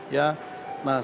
nah salah satu